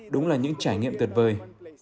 đúng là những trải nghiệm tuyệt vời